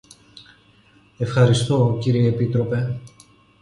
Ευχαριστώ, κύριε Επίτροπε.